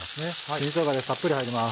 新しょうがたっぷり入ります。